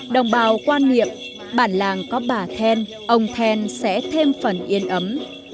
đồng bào quan nghiệp bản làng có bà then ông then sẽ thêm phần yên ấm